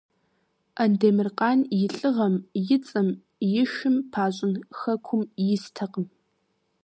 Андемыркъан и лӀыгъэм и цӀэм и шым пащӀын хэкум истэкъым.